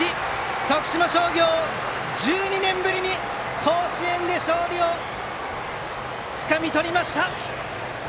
徳島商業１２年ぶりに甲子園で勝利をつかみ取りました！